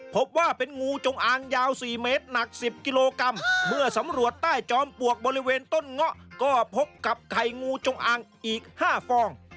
พบว่าเป็นงูจงอางยาว๔เมตรหนัก๑๐กิโลกรัมเมื่อสำรวจใต้จอมปลวกบริเวณต้นเงาะก็พบกับไข่งูจงอางอีก๕ฟอง